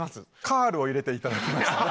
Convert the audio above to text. カールを入れていただきましたね。